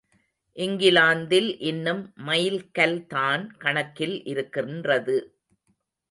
இங்கிலாந்தில் இன்னும் மைல் கல் தான் கணக்கில் இருக்கின்றது.